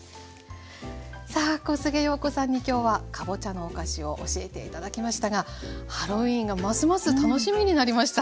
さあ小菅陽子さんに今日はかぼちゃのお菓子を教えて頂きましたがハロウィーンがますます楽しみになりました。